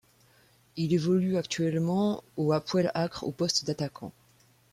Il évolue actuellement au Hapoël Acre au poste d'attaquant.